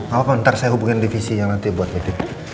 gapapa nanti saya hubungin divisi yang nanti buat meeting